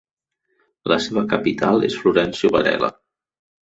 La seva capital és Florencio Varela.